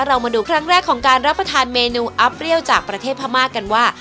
เรามาดูครั้งแรกของการรับประทานเมนูอัพเรี่ยวจากประเทศพม่ากันว่า